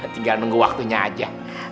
tinggal nunggu waktunya aja